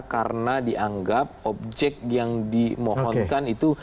karena dianggap objek yang dimohonkan itu